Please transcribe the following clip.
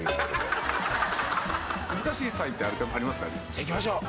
じゃいきましょう。